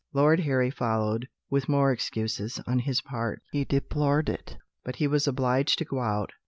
Lord Harry followed, with more excuses, on his part. He deplored it but he was obliged to go out.